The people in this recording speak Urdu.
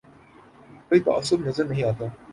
کوئی تعصب نظر نہیں آتا